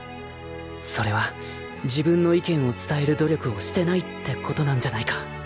それは自分の意見を伝える努力をしてないって事なんじゃないか